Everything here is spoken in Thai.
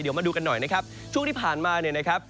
เดี๋ยวมาดูกันหน่อยนะครับช่วงที่ผ่านมาเนี่ยนะครับ